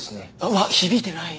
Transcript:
うわ響いてない。